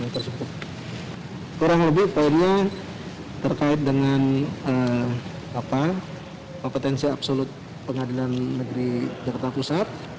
kurang lebih poinnya terkait dengan kompetensi absolut pengadilan negeri jakarta pusat